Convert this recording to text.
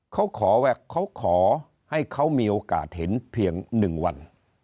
เขาขอว่าเขาขอให้เขามีโอกาสเห็นเพียงหนึ่งวัน